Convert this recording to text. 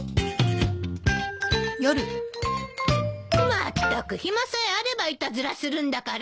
まったく暇さえあればいたずらするんだから。